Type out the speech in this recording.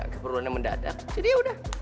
keperluan yang mendadak jadi yaudah